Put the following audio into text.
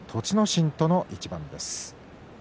心との一番です。